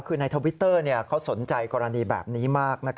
คือในทวิตเตอร์เขาสนใจกรณีแบบนี้มาก